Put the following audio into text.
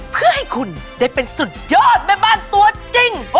เพื่อให้คุณได้เป็นสุดยอดแม่บ้านตัวจริง